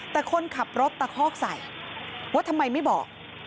แต่คนขับรถตะคอกใส่ว่าทำไมไม่บอก